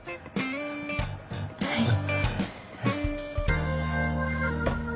はい。